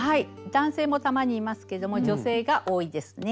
男性もたまにいますけども女性が多いですね。